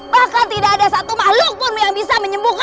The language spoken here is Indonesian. bahkan tidak ada satu makhluk pun yang bisa menyembuhkan